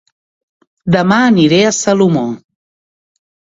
Dema aniré a Salomó